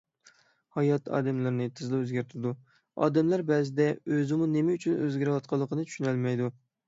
ھايات ئادەملەرنى تېزلا ئۆزگەرتىدۇ، ئادەملەر بەزىدە ئۆزىمۇ نېمە ئۈچۈن ئۆزگىرىۋاتقانلىقىنى چۈشىنەلمەيدۇ.